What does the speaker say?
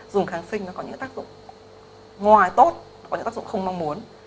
dùng kháng sinh nó có những tác dụng ngoài tốt có những tác dụng không mong muốn